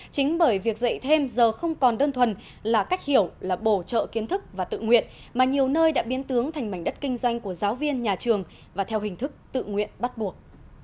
chính bởi việc dạy thêm giờ không còn đơn thuần là cách hiểu là bổ trợ kiến thức và tự nguyện mà nhiều nơi đã biến tướng thành mảnh đất kinh doanh của giáo viên nhà trường và theo hình thức tự nguyện bắt buộc